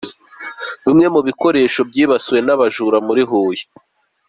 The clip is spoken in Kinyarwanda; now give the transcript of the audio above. Bimwe mu bikoresho byibasiwe n’abajura muri Huye.